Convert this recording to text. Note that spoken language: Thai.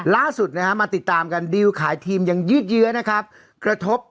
ล่าสุดนะฮะมาติดตามกันดิวขายทีมยังยืดเยื้อนะครับกระทบ